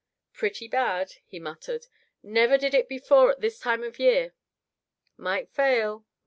"Pretty bad," he muttered. "Never did it before at this time of year. Might fail.